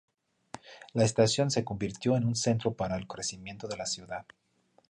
La estación se convirtió en un centro para el crecimiento de la ciudad.